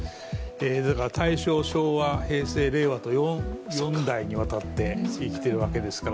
大正、昭和、平成、令和と４代に渡って生きているわけですから。